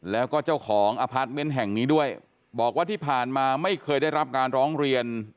แล้วก็เจ้าของอพาร์ทเมนต์แห่งนี้ด้วยบอกว่าที่ผ่านมาไม่เคยได้รับการร้องเรียน